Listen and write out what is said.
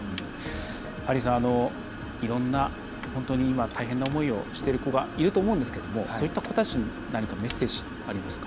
ハリーさん、いろんな本当に今大変な思いをしている子がいると思うんですけれどもそういった子たちに何かメッセージありますか？